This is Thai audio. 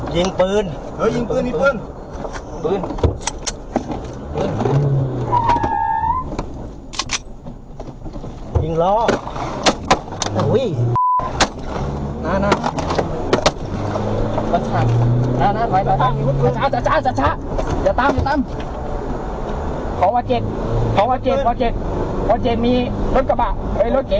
ที่ครองสองของภูมินอลหัวใจนำความสุขสำหรับหน้ากลางทะเล